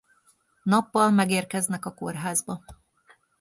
Nappal megérkeznek a kórházba.